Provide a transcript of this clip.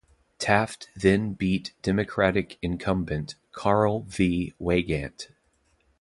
Taft then beat Democratic incumbent Carl V. Weygandt.